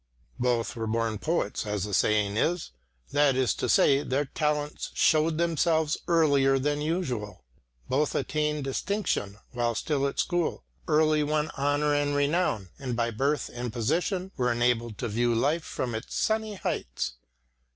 Both were born poets, as the saying is; that is to say, their talents showed themselves earlier than usual. Both attained distinction while still at school, early won honour and renown, and by birth and position were enabled to view life from its sunny heights.